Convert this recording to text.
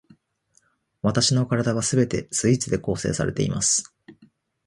わたしの身体は全てスイーツで構成されています